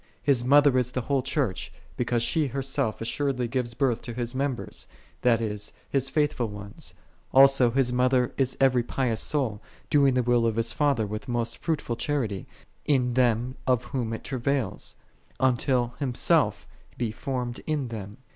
His mother is the whole Church, because she herself assuredly gives birth to His members, that is, His faithful ones. Also His mother is every pious soul, doing the will of His Father with most fruitful charity, in them of whom it travaileth, until Himself4 be formed in them.